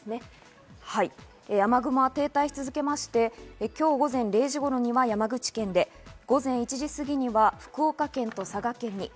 雨雲は停滞し続けまして、今日午前０時頃には山口県で午前１時過ぎには福岡県と佐賀県に。